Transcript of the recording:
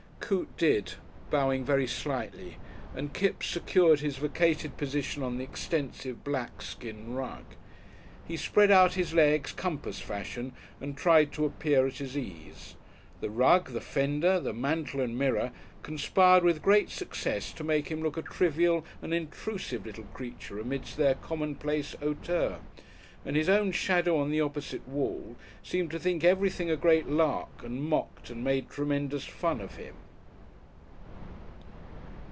Coote did, bowing very slightly, and Kipps secured his vacated position on the extensive black skin rug. He spread out his legs compass fashion and tried to appear at his ease. The rug, the fender, the mantel and mirror conspired with great success to make him look a trivial and intrusive little creature amidst their commonplace hauteur, and his own shadow on the opposite wall seemed to think everything a great lark and mocked and made tremendous fun of him....